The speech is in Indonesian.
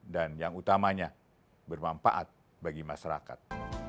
dan yang utamanya bermanfaat bagi masyarakat